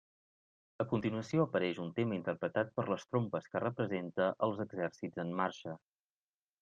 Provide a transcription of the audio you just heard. A continuació apareix un tema interpretat per les trompes que representa els exèrcits en marxa.